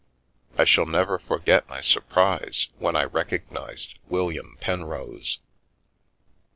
I shall never forget my surprise when I recognised William Penrose.